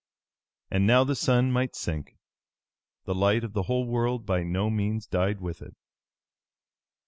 And now the sun might sink. The light of the whole world by no means died with it.